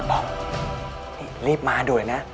ปอบรีบมาด้วยนะ